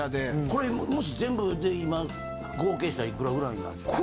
これもし全部で今合計したらいくらぐらいになるんですか？